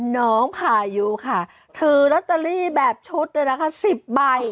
น้องพายุค่ะถือลอตเตอรี่แบบชุดเนี่ยนะคะ๑๐ใบ